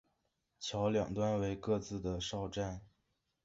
桥两端为各自的哨站。